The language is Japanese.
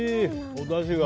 おだしが。